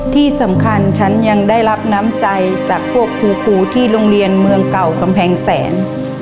ที่สำคัญฉันยังได้รับน้ำใจจากพวกครูที่โรงเรียนเมืองเก่ากำแพงแสน